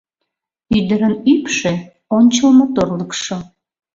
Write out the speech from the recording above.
Ӱдырын ӱпшӧ — ончыл моторлыкшо.